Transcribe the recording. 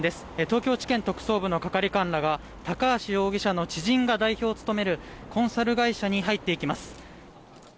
東京地検特捜部の係官らが高橋容疑者の知人が代表を務めるコンサル会社に入っていきます。